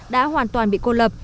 đã hoàn toàn bị cô lập